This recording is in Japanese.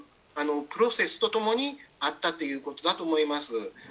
プロセスとともにあったということだと思います。